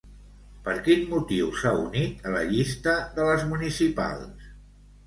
Per quin motiu s'ha unit a la llista de les municipals?